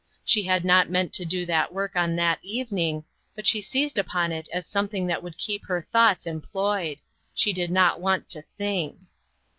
She had not meant to do that work on that evening, but she seized upon it as something that would keep her thoughts employed. She did not want to think.